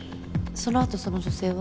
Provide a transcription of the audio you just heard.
そのあとその女性は？